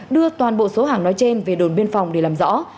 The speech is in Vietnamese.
đưa toàn bộ số hàng nói trên về đồn biên phòng để làm rõ